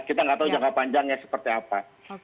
kita nggak tahu jangka panjangnya seperti apa